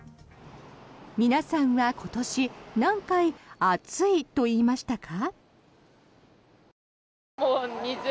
皆さんは今年何回、暑いと言いましたか？